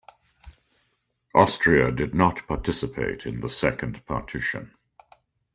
Austria did not participate in the Second Partition.